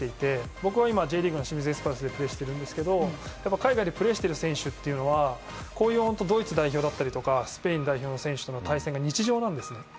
僕は今Ｊリーグの清水エスパルスでプレーしているんですけど海外でプレーしている選手というのはこういう、ドイツ代表だったりスペイン代表の選手との対戦が日常なんですね。